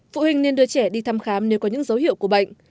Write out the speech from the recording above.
phụ huynh nên đưa trẻ đi thăm khám nếu có những dấu hiệu của bệnh